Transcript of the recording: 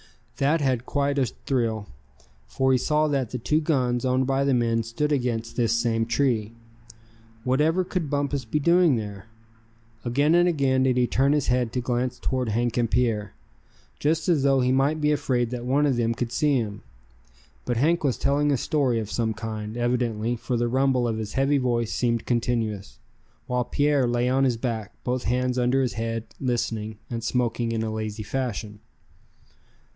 Thad had quite a thrill, for he saw that the two guns owned by the men stood against this same tree. Whatever could Bumpus be doing there? Again and again did he turn his head to glance toward Hank and Pierre, just as though he might be afraid that one of them could see him. But Hank was telling a story of some kind, evidently, for the rumble of his heavy voice seemed continuous; while Pierre lay on his back, both hands under his head, listening, and smoking in a lazy fashion.